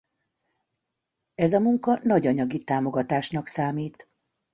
Ez a munka nagy anyagi támogatásnak számít.